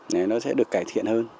nên nó sẽ được cải thiện hơn